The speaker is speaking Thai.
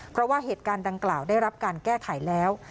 เพราะว่าเหตุการณ์ดังกล่าวได้รับการแก้ไขแล้ว